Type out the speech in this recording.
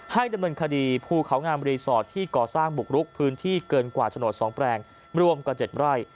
ดำเนินคดีภูเขางามรีสอร์ทที่ก่อสร้างบุกรุกพื้นที่เกินกว่าโฉนด๒แปลงรวมกว่า๗ไร่